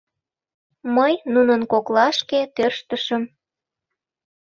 Мый нунын коклашке тӧрштышым.